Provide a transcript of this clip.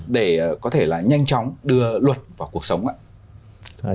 để có thể là nhanh chóng đưa luật vào cuộc sống ạ